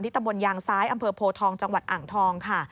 ตำบลยางซ้ายอำเภอโพทองจังหวัดอ่างทองค่ะ